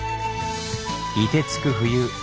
いてつく冬。